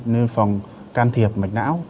lên phòng can thiệp mạch não